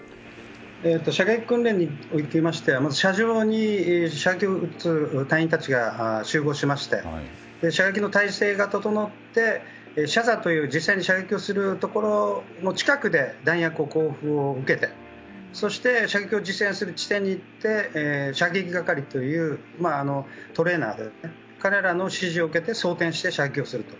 射撃訓練におきましては射場に隊員たちが集合しまして射撃の体勢が整って射座という実際に射撃をするところの近くで弾薬の交付を受けてそして射撃を実演する地点に行き射撃係というトレーナーの指示を受けて装填して射撃をすると。